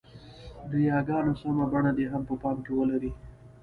د ی ګانو سمه بڼه دې هم په پام کې ولري.